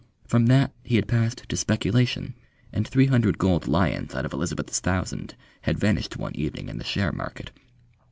From that he had passed to speculation, and three hundred gold "lions" out of Elizabeth's thousand had vanished one evening in the share market.